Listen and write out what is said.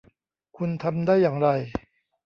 คุณทำได้อย่างไร ?